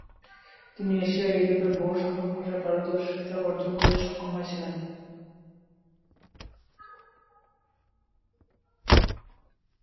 তিনি এশিয়া ও ইয়োরোপের বহুসংখ্যক ভাষায় পারদর্শিতা অর্জ্জন করতে সক্ষম হয়েছিলেন।